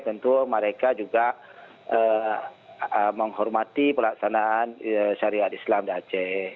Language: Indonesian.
tentu mereka juga menghormati pelaksanaan syariat islam di aceh